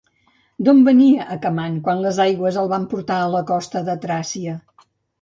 D'on venia Acamant quan les aigües el van portar a la costa de Tràcia?